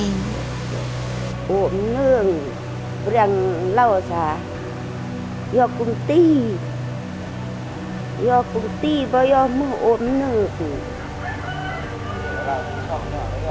ưu ấm nương bây giờ là lâu rồi do công ty do công ty bây giờ mưa ưu ấm nương